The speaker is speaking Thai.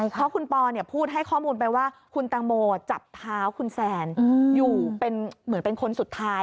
เพราะคุณปอพูดให้ข้อมูลไปว่าคุณตังโมจับเท้าคุณแซนอยู่เป็นเหมือนเป็นคนสุดท้าย